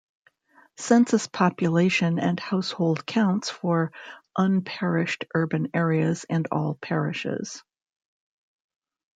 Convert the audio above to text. "Census population and household counts for unparished urban areas and all parishes".